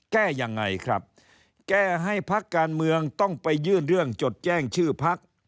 แก้ยังไงครับแก้ให้พักการเมืองต้องไปยื่นเรื่องจดแจ้งชื่อพัก